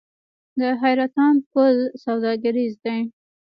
د حیرتان پل سوداګریز دی